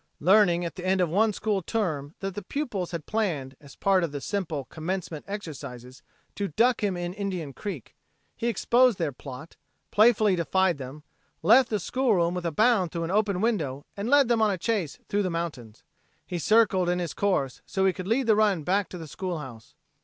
Learning at the end of one school term that the pupils had planned as part of the simple commencement exercises to duck him in Indian Creek, he exposed their plot, playfully defied them, left the schoolroom with a bound through an open window and led them on a chase through the mountains. He circled in his course so he could lead the run back to the schoolhouse.